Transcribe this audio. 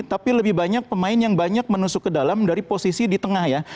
tapi lebih banyak pemain yang banyak menusuk ke dalam dari posisi di tengah ya